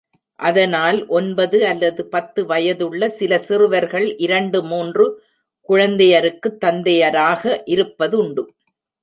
அதனால் ஒன்பது அல்லது பத்து வயதுள்ள சில சிறுவர்கள் இரண்டு மூன்று குழந்தையருக்குத் தந்தையராக இருப்பதுண்டு.